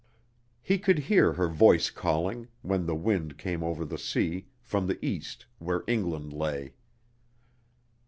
He could hear her voice calling, when the wind came over the sea, from the east where England lay.